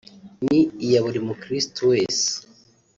ni iya buri mukirisitu wese